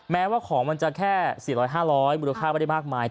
แม้ว่าของมันจะแค่๔๐๐๕๐๐มูลค่าไม่ได้มากมาย